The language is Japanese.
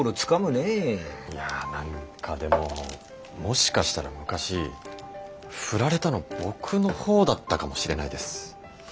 いや何かでももしかしたら昔振られたの僕の方だったかもしれないです。